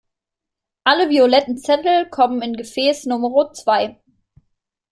Alle violetten Zettel kommen in Gefäß Numero zwei.